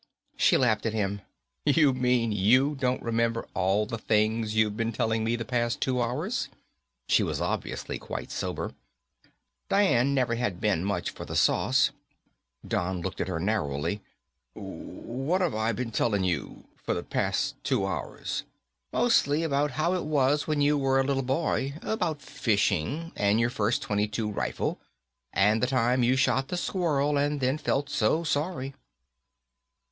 She laughed at him. "You mean you don't remember all the things you've been telling me the past two hours?" She was obviously quite sober. Dian never had been much for the sauce. Don looked at her narrowly. "What've I been telling you for the past two hours?" "Mostly about how it was when you were a little boy. About fishing, and your first .22 rifle. And the time you shot the squirrel, and then felt so sorry."